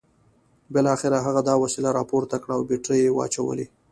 بالاخره هغه دا وسیله راپورته کړه او بیټرۍ یې واچولې